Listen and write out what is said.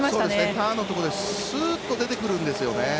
ターンのところでスーッと出てくるんですよね。